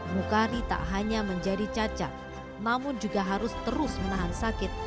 mukari tak hanya menjadi cacat namun juga harus terus menahan sakit